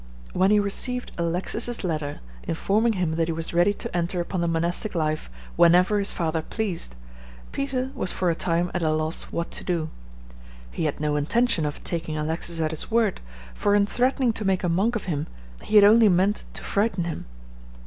When he received Alexis's letter informing him that he was ready to enter upon the monastic life whenever his father pleased, Peter was for a time at a loss what to do. He had no intention of taking Alexis at his word, for in threatening to make a monk of him he had only meant to frighten him.